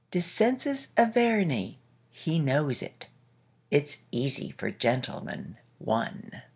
Descensus Averni he knows it; It's easy for "Gentleman, One".